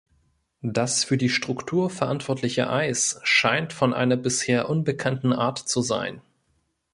Das für die Struktur verantwortliche Eis scheint von einer bisher unbekannten Art zu sein.